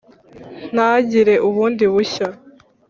ntangire bundi bushya